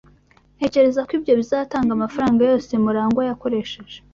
Ntekereza ko ibyo bizatanga amafaranga yose Murangwa yakoresheje.